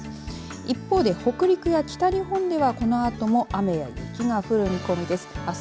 一方で北陸や北日本ではこのあとも雨や雪が降る見込みです。